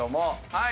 はい。